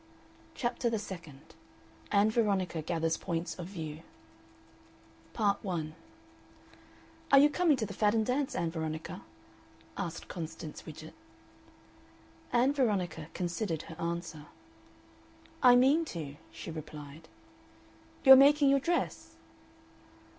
CHAPTER THE SECOND ANN VERONICA GATHERS POINTS OF VIEW Part 1 "Are you coming to the Fadden Dance, Ann Veronica?" asked Constance Widgett. Ann Veronica considered her answer. "I mean to," she replied. "You are making your dress?"